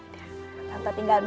tante mau tidur dulu ya